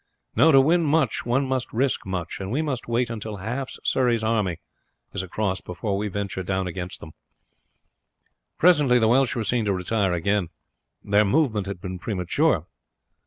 No, to win much one must risk much, and we must wait until half Surrey's army is across before we venture down against them." Presently the Welsh were seen to retire again. Their movement had been premature.